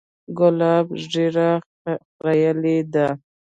ګلاب ږيره خرييلې وه.